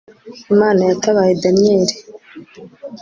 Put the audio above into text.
Imana yatabaye Daniyeli